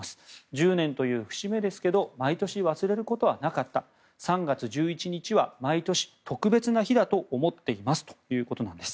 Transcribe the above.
１０年という節目ですけど毎年忘れることはなかった３月１１日は毎年特別な日だと思っていますということなんです。